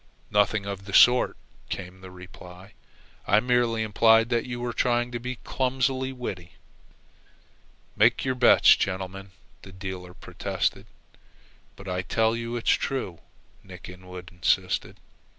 "Nothing of the sort," came the reply. "I merely implied that you were trying to be clumsily witty." "Make your bets, gentlemen," the dealer protested. "But I tell you it's true," Nick Inwood insisted.